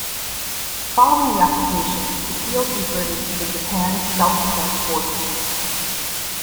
Following the occupation, the field reverted to the Japan Self-Defense Forces.